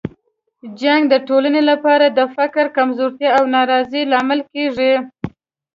جنګ د ټولنې لپاره د فقر، کمزورتیا او ناراضۍ لامل کیږي.